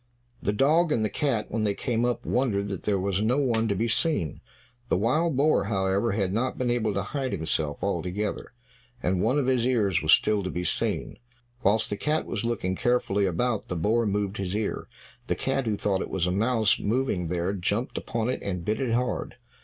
The dog and the cat, when they came up, wondered that there was no one to be seen. The wild boar, however, had not been able to hide himself altogether; and one of his ears was still to be seen. Whilst the cat was looking carefully about, the boar moved his ear; the cat, who thought it was a mouse moving there, jumped upon it and bit it hard.